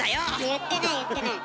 言ってない言ってない。